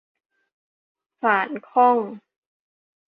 สานข้อง